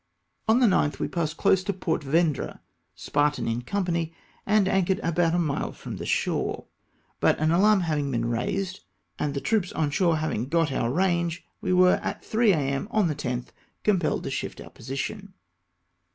On the 9th we passed close to Port Vendi'e, Spar tan in company, and anchored about a mile from the shore ; but an alarm having been raised, and the TAKE rOSSESSION OF THE BATTERY. 279 troops on shore having got onr range, we were at 3 A.M. on the 10th, compelled to shift our position.